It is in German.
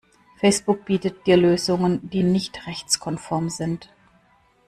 Facebook bietet dir Lösungen, die nicht rechtskonform sind.